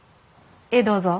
ええどうぞ。